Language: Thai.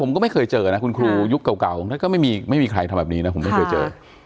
ผมก็ไม่เคยเจอนะคุณครูยุคเก่าท่านก็ไม่มีใครทำแบบนี้นะผมไม่เคยเจอ